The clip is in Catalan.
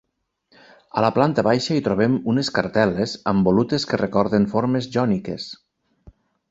A la planta baixa hi trobem unes cartel·les amb volutes que recorden formes jòniques.